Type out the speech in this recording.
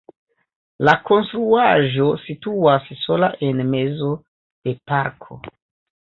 La konstruaĵo situas sola en mezo de parko.